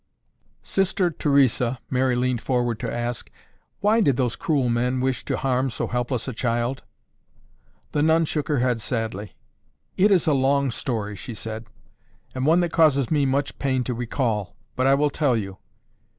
"Sister Theresa," Mary leaned forward to ask, "why did those cruel men wish to harm so helpless a child?" The nun shook her head sadly. "It is a long story," she said, "and one that causes me much pain to recall, but I will tell you.